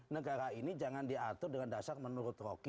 negara ini jangan diatur dengan dasar menurut rocky